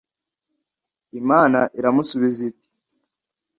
Imana iramusubiza iti